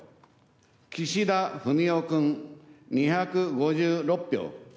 岸田文雄君、２５６票。